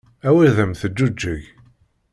Awer d am teǧǧuǧeg!